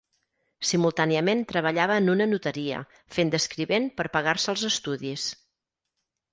Simultàniament treballava en una notaria, fent d'escrivent per pagar-se els estudis.